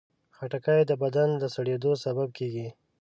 خټکی د بدن د سړېدو سبب کېږي.